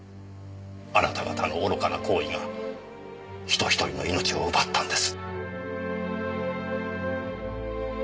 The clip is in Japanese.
あなた方の愚かな行為が人ひとりの命を奪ったんです。